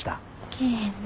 来えへんな。